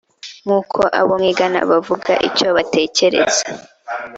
nk uko abo mwigana bavuga icyo batekereza